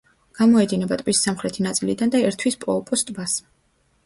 გამოედინება ტბის სამხრეთი ნაწილიდან და ერთვის პოოპოს ტბას.